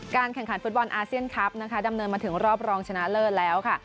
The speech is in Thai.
แข่งขันฟุตบอลอาเซียนคลับนะคะดำเนินมาถึงรอบรองชนะเลิศแล้วค่ะ